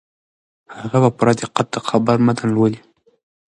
هغه په پوره دقت د خبر متن لولي.